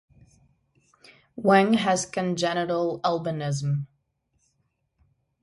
Wang has congenital albinism.